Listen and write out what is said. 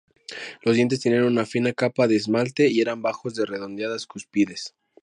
Los dientes tenían una fina capa de esmalte,y eran bajos, de redondeadas cúspides.